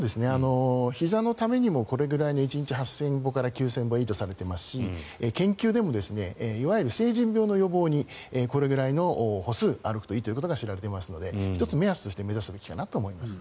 ひざのためにもこれぐらい１日８０００歩から９０００歩がいいとされていますし研究でもいわゆる成人病の予防にこれぐらいの歩数歩くといいということが知られていますので１つ目安として目指すべきかなと思います。